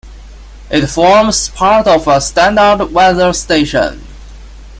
It forms part of a standard weather station.